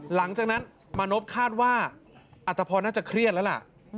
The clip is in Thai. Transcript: หลังจากนั้นมานพคาดว่าอัตภพรน่าจะเครียดแล้วล่ะ